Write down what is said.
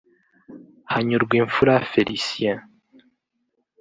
Hanyurwimfura Felicien